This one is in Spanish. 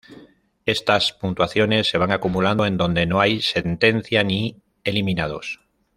Estas puntuaciones se van acumulando en donde no hay sentencia ni eliminados.